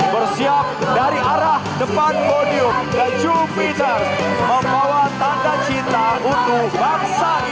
bersiap dari arah depan podium dan jupiter membawa tanda cinta untuk bangsa ini